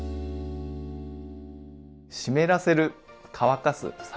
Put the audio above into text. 「湿らせる」「乾かす」「冷ます」